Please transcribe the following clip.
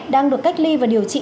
đang được cách ly và điều trị